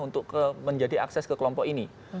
untuk menjadi akses ke kelompok ini